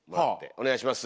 お願いします。